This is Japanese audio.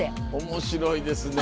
面白いですね。